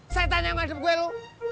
syaitan yang menghadap gue lu